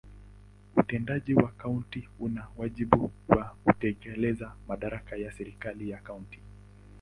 Utendaji wa kaunti una wajibu wa kutekeleza madaraka ya serikali ya kaunti.